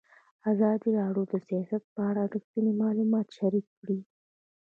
ازادي راډیو د سیاست په اړه رښتیني معلومات شریک کړي.